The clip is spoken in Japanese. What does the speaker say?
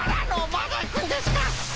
まだいくんですか？